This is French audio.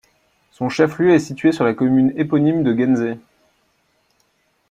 Son chef-lieu est situé sur la commune éponyme de Guenzet.